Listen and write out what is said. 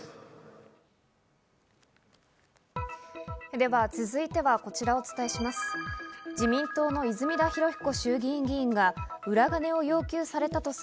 では続いては、こちらをお伝えします。